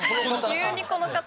急に「この方」。